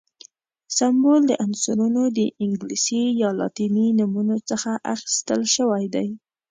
سمبول د عنصرونو د انګلیسي یا لاتیني نومونو څخه اخیستل شوی دی.